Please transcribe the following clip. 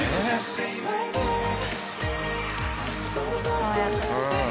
爽やか。